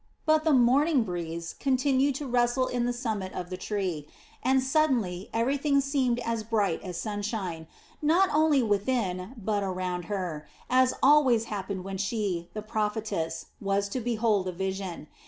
But the morning breeze continued to rustle in the summit of the tree, and suddenly everything seemed as bright as sunshine, not only within but around her, as always happened when she, the prophetess, was to behold a vision.